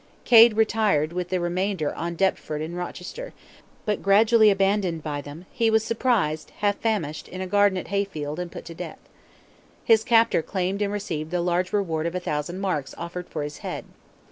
Cade retired with the remainder on Deptford and Rochester, but gradually abandoned by them, he was surprised, half famished in a garden at Heyfield, and put to death. His captor claimed and received the large reward of a thousand marks offered for his head.